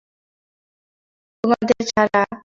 তোমাদের ছাড়া আর কাহাকেও পত্র লিখিব না।